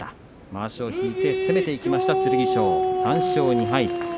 まわしを引いて攻めていきました剣翔、３勝２敗です。